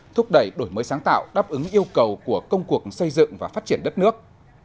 thúc đẩy đổi mới sáng tạo đáp ứng yêu cầu của công cuộc xây dựng và phát triển đất nước